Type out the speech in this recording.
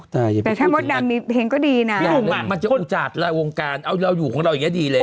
แต่ถ้ามดดังมีเพลงก็ดีนะมันจะอุจจัดวงการเอาเราอยู่ของเราอย่างงี้ดีเลย